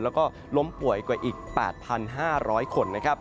แล้วก็ล้มป่วยกว่าอีก๘๕๐๐คน